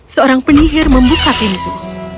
seorang penyihir membuka pintu